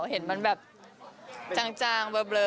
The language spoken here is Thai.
เห็นมันแบบจางเบลอ